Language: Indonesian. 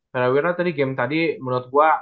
prawira tadi game tadi menurut gw